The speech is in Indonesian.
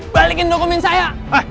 balikin dokumen saya